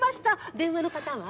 電話の方は？